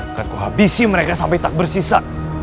aku akan habisi mereka sampai tak bersisa